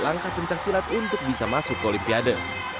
angka pencaksilat untuk bisa masuk olimpiade